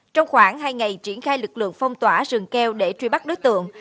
trong khoảng hai ngày triển khai lực lượng phong tỏa rừng keo để truy bắt đối tượng